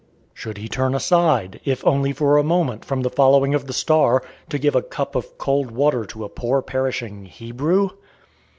Should he turn aside, if only for a moment, from the following of the star, to give a cup of cold water to a poor, perishing Hebrew?